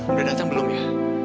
udah datang belum ya